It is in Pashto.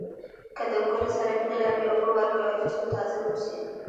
که د ګل سره مینه لرئ اوبه ورکوئ تر څو تازه واوسي.